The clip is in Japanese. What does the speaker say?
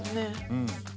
うん。